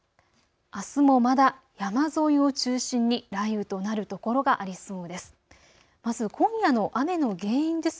あすもまだ山沿いを中心に雷雨となるところがありそうです。